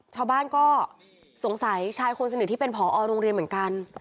ชาวบ้านก็สงสัยชายคนสนิทที่เป็นผอโรงเรียนเหมือนกัน